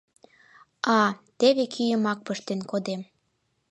А, теве кӱ йымак пыштен кодем.